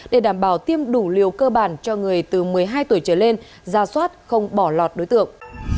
để đảm bảo tiêm đủ liều cơ bản cho người từ một mươi hai tuổi trở lên ra soát không bỏ lọt đối tượng